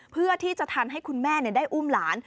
เพื่อที่จะทำให้คุณแม่ได้อุ้มหลาน